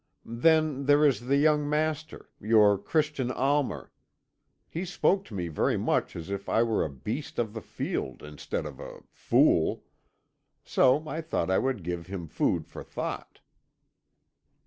Then there is the young master, your Christian Almer. He spoke to me very much as if I were a beast of the field instead of a fool. So I thought I would give him food for thought."